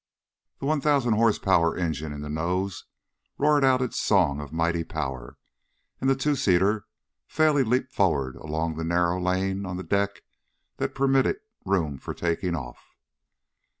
The one thousand horsepower engine in the nose roared out its song of mighty power, and the two seater fairly leaped forward along the narrow lane on the deck that permitted room for taking off.